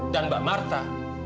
dan mbak marta